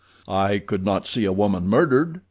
"I could not see a woman murdered?"